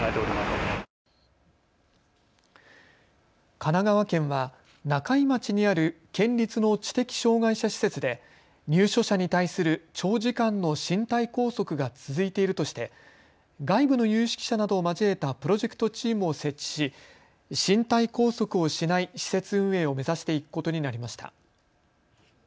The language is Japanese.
神奈川県は中井町にある県立の知的障害者施設で入所者に対する長時間の身体拘束が続いているとして外部の有識者などを交えたプロジェクトチームを設置し身体拘束をしない施設運営を目指していくことになりました。